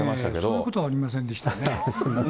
そういうことはありませんでしたよね。